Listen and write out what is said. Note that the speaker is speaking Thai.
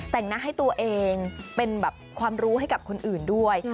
แต่งหน้าให้ตัวเองเป็นแบบความรู้ให้กับคนอื่นด้วย